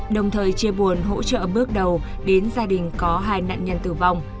đồng thời chia buồn hỗ trợ bước đầu đến gia đình có hai nạn nhân tử vong